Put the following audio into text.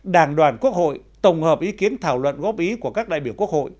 đảng đoàn quốc hội tổng hợp ý kiến thảo luận góp ý của các đại biểu quốc hội